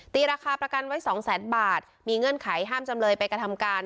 ราคาประกันไว้สองแสนบาทมีเงื่อนไขห้ามจำเลยไปกระทำการ